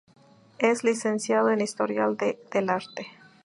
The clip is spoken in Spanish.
Es licenciado en Historia del Arte.